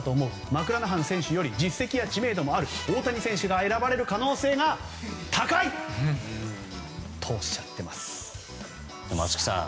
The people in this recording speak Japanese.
マクラナハン選手より実績や知名度もある大谷選手が選ばれる可能性が高いと松木さん。